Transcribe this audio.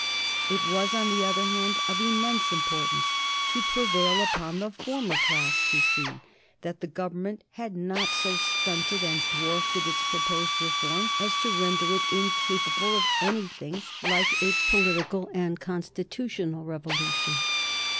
It was, on the other hand, of immense importance to prevail upon the former class to see that the Government had not so stunted and dwarfed its proposed reform as to render it incapable of anything like a political and constitutional revolution.